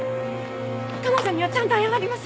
彼女にはちゃんと謝ります。